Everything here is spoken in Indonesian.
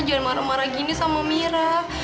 jangan marah marah gini sama mira